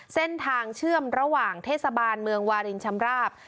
เส้นทางเชื่อมระหว่างเทศบาลเมืองวารินชำราบ